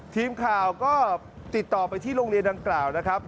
ทีมข่าวก็ติดต่อไปที่โรงเรียนดังกล่าวนะครับ